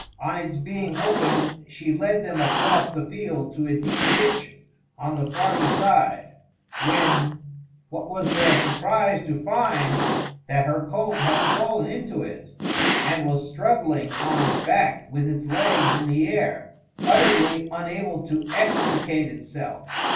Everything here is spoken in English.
On its being opened, she led them across the field to a deep ditch on the farther side, when, what was their surprise to find that her colt had fallen into it, and was struggling on its back with its legs in the air, utterly unable to extricate itself.